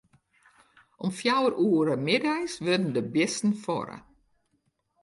Om fjouwer oere middeis wurde de bisten fuorre.